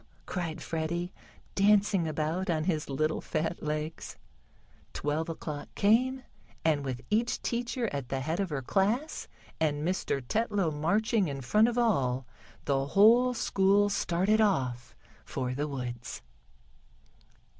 cried Freddie, dancing about on his little fat legs. Twelve o'clock came, and with each teacher at the head of her class, and Mr. Tetlow marching in front of all, the whole school started off for the woods.